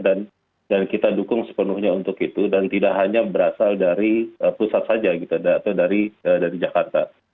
dan kita dukung sepenuhnya untuk itu dan tidak hanya berasal dari pusat saja gitu atau dari jakarta